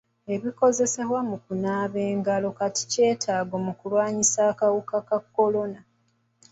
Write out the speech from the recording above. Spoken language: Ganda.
Ebikozesebwa mu kunaaba engalo kati kyetaago mu kulwanyisa akawuka ka kolona.